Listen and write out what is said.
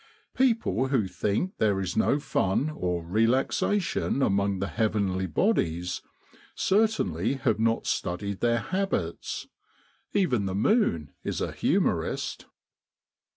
People who think there is no fun or relaxation among the heavenly bodies certainly have not studied their habits. Even the moon is a humorist.